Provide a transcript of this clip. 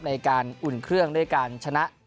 อุ่นเครื่องด้วยการชนะ